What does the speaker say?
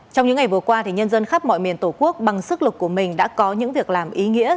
trong những ngày vừa qua nhân dân khắp mọi miền tổ quốc bằng sức lực của mình đã có những việc làm ý nghĩa